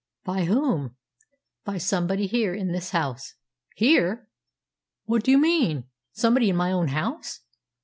"By whom?" "By somebody here in this house." "Here! What do you mean? Somebody in my own house?"